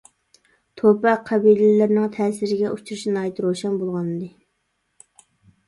توپا قەبىلىلىرىنىڭ تەسىرگە ئۇچرىشى ناھايىتى روشەن بولغانىدى.